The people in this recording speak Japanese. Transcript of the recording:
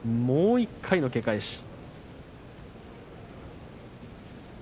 もう１回の、け返し。